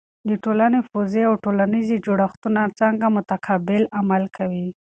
د ټولنې پوځی او ټولنیزې جوړښتونه څنګه متقابل عمل کوي؟